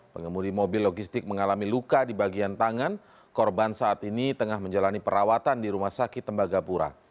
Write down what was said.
pengemudi mobil logistik mengalami luka di bagian tangan korban saat ini tengah menjalani perawatan di rumah sakit tembagapura